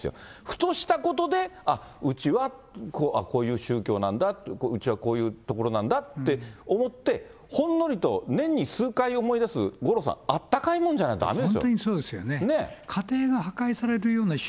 ふとしたことで、あっ、うちはこういう宗教なんだ、うちはこういうところなんだって思って、ほんのりと、年に数回思い出す、五郎さん、あったかいものじゃないとだめですよ。